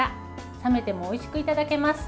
冷めてもおいしくいただけます。